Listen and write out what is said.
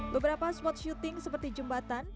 beberapa spot syuting seperti jembatan